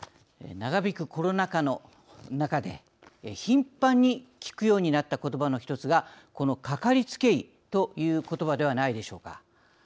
長引くコロナ禍の中で頻繁に聞くようになったことばの一つがこのかかりつけ医ということばではないでしょうか。